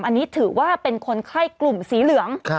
อันนี้ถือว่าเป็นคนไข้กลุ่มสีเหลือง